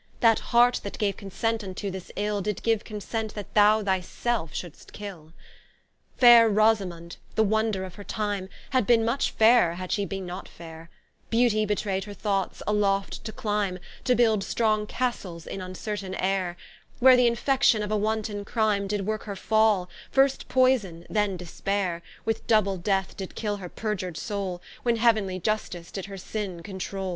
That heart that gave consent vnto this ill, Did give consent that thou thy selfe should'st kill. Of Rosa mund. Of Matilda. ¶ Faire Rosamund, the wonder of her time, Had bin much fairer, had shee not bin faire; Beautie betraid her thoughts, aloft to clime, To build strong castles in vncertaine aire, Where th'infection of a wanton crime Did worke her falle, first poyson, then despaire, With double death did kill her periur'd soule, When heauenly Iustice did her sinne controule.